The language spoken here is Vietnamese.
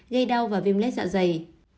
gây đau và viêm lết dạ dày